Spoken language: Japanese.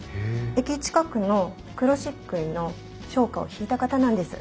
駅近くの黒漆喰の商家をひいた方なんです。